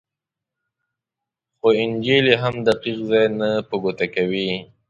خو انجیل یې هم دقیق ځای نه په ګوته کوي.